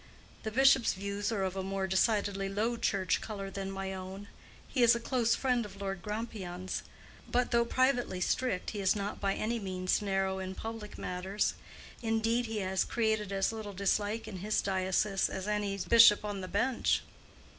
The bishop's views are of a more decidedly Low Church color than my own—he is a close friend of Lord Grampian's; but, though privately strict, he is not by any means narrow in public matters. Indeed, he has created as little dislike in his diocese as any bishop on the bench.